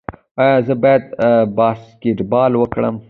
ایا زه باید باسکیټبال وکړم؟